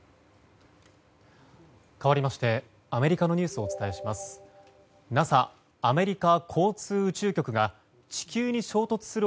かわりましてアメリカのニュースをお伝えします。